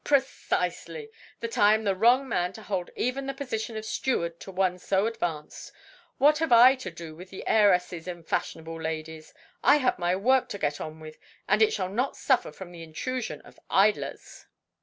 "Precisely: that I am the wrong man to hold even the position of steward to one so advanced. What have I to do with heiresses and fashionable ladies? I have my work to get on with, and it shall not suffer from the intrusion of idlers."